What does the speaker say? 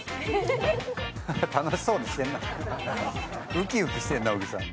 ウキウキしてんな、小木さん。